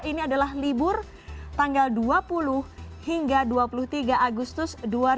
ini adalah libur tanggal dua puluh hingga dua puluh tiga agustus dua ribu dua puluh